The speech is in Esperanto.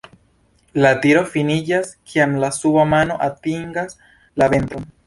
La tiro finiĝas kiam la suba mano atingas la ventron.